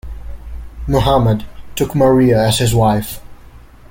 Muhammad took Maria as his wife.